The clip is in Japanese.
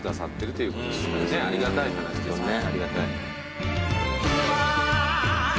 ありがたい話ですから。